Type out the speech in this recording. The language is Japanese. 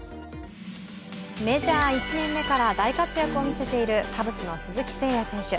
メジャー１年目から大活躍を見せているカブスの鈴木誠也選手